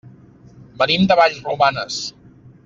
Venim de Vallromanes.